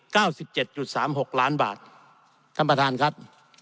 สิบเจ็ดจุดสามหกล้านบาทท่านประธานครับ